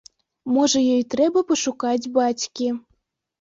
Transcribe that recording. Можа ёй трэба пашукаць бацькі.